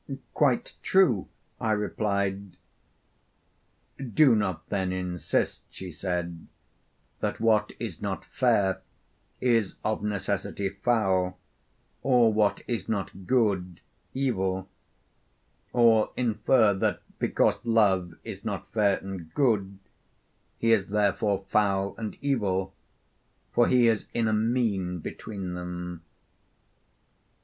'Quite true,' I replied. 'Do not then insist,' she said, 'that what is not fair is of necessity foul, or what is not good evil; or infer that because love is not fair and good he is therefore foul and evil; for he is in a mean between them.'